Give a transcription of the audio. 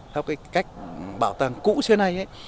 theo cái cách bảo tàng cũ xưa nay ấy